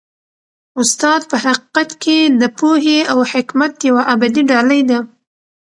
استاد په حقیقت کي د پوهې او حکمت یوه ابدي ډالۍ ده.